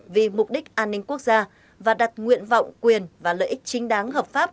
vì mục đích an ninh quốc gia và đặt nguyện vọng quyền và lợi ích chính đáng hợp pháp